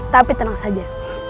tapi tenang saja